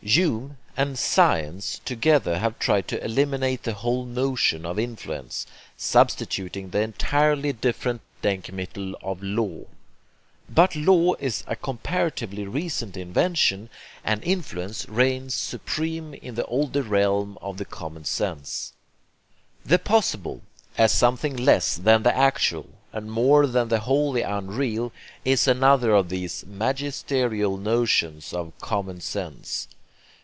Hume and 'Science' together have tried to eliminate the whole notion of influence, substituting the entirely different DENKMITTEL of 'law.' But law is a comparatively recent invention, and influence reigns supreme in the older realm of common sense. The 'possible,' as something less than the actual and more than the wholly unreal, is another of these magisterial notions of common sense.